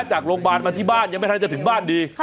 จากโรงพยาบาลมาที่บ้านยังไม่ทันจะถึงบ้านดี